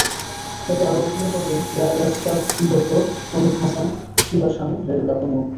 এতে আরও অভিনয় করবেন রজতাভ দত্ত, অমিত হাসান, সিবা শানু, রেবেকা প্রমুখ।